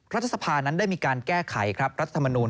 รัฐสภานั้นได้มีการแก้ไขตั้งแต่รัฐธรรมนุญ